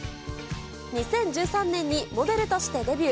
２０１３年にモデルとしてデビュー。